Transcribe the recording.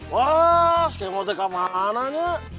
wah si kemon kemana nya